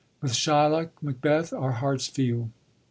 With Shylock, Macbeth, our hearts feel.